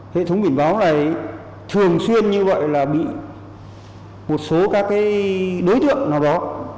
hệ thống biển báo này thường xuyên như vậy là bị một số các đối tượng nào đó